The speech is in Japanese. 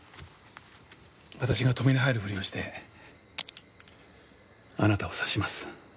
私が止めに入るふりをしてあなたを刺します。